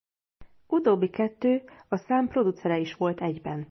Utóbbi kettő a szám producere is volt egyben.